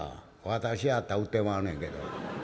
「私やったら売ってまうねんけど」。